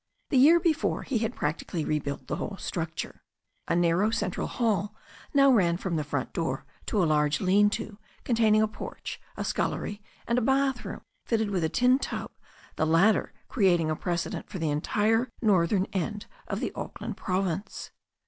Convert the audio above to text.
The year before he had practically rebuilt the whole structure. A narrow central hall now ran from the front door to a large lean to containing a porch, a scullery and a bath room with a fitted tin tub, the latter creating a precedent for the entire northern end of the Auckland province.